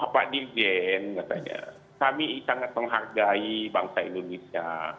pak dirjen katanya kami sangat menghargai bangsa indonesia